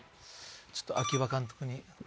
ちょっと秋葉監督にちょっと。